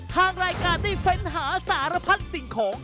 ทางรายการได้เฟ้นหาสารพัดสิ่งของ